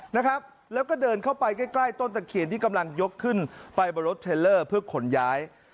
นะครับแล้วก็เดินเข้าไปใกล้ใกล้ต้นตะเคียนที่กำลังยกขึ้นไปบนรถเทรลเลอร์เพื่อขนย้าย